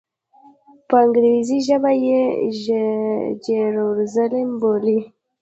په انګریزي ژبه یې جیروزلېم بولي.